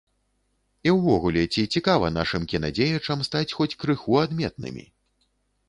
І ўвогуле, ці цікава нашым кінадзеячам стаць хоць крыху адметнымі?